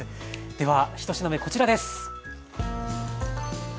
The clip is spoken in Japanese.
では１品目こちらです。